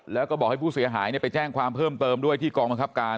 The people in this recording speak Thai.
แล้วก็บอกให้ผู้เสียหายไปแจ้งความเพิ่มเติมด้วยที่กองบังคับการ